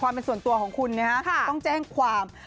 ความเป็นส่วนตัวของคุณนะฮะต้องแจ้งความค่ะ